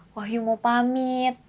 wahyu mau pamit